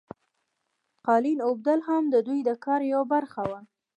قالین اوبدل هم د دوی د کار یوه برخه وه.